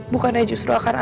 bukannya justru akan aneh ya